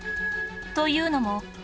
というのも